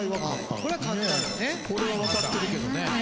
これは分かってるけどね。